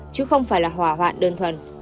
chứ không phải là hỏa hoạn đơn thuần